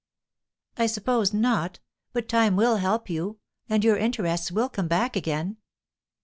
"I suppose not. But time will help you, and your interests will come back again."